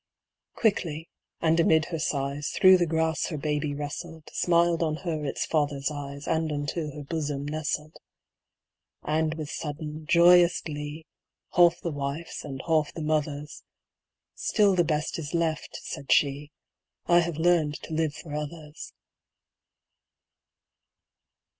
Quickly, and amid her sighs, Through the grass her baby wrestled, Smiled on her its father's eyes, And unto her bosom nestled. And with sudden, joyous glee, Half the wife's and half the mother's, "Still the best is left," said she: "I have learned to live for others."